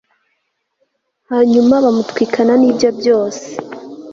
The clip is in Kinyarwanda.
hanyuma bamutwikana n'ibye byose